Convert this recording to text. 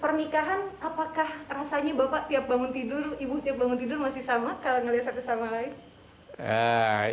pernikahan apakah rasanya bapak tiap bangun tidur ibu tiap bangun tidur masih sama kalau ngelihat satu sama lain